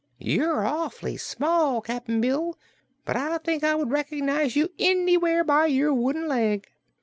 You're awfully small, Cap'n Bill, but I think I would recognize you anywhere by your wooden leg."